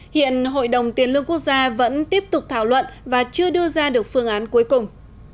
hiện hội đồng tiền lương quốc gia vẫn tiếp tục thảo luận và chưa đưa ra được phương án cuối cùng